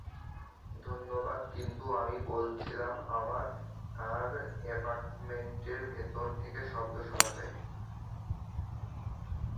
ধন্যবাদ কিন্তু আমি বলছিলাম আমার এপার্টমেন্টের ভেতর থেকে শব্দ শোনা যায়?